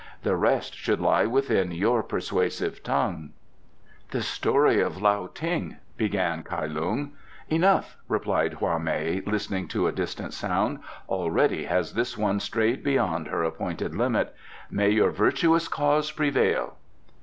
The rest should lie within your persuasive tongue." "The story of Lao Ting " began Kai Lung. "Enough," replied Hwa mei, listening to a distant sound. "Already has this one strayed beyond her appointed limit. May your virtuous cause prevail!"